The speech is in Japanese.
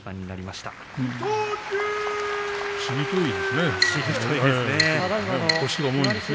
しぶといですね。